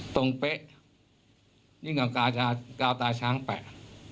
ตรงเป๊ะยิ่งความกาวตาช้างแปะ